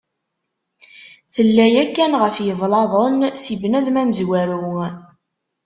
Tella yakkan ɣef yiblaḍen, si bnadem amezwaru.